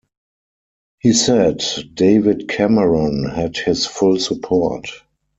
He said David Cameron had his full support.